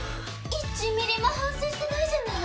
１ミリも反省してないじゃない！